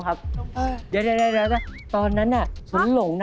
ทำไมคิดว่ารงิ้ว